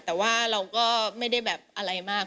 แต่ว่าเราก็ไม่ได้แบบอะไรมาก